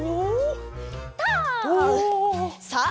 あ！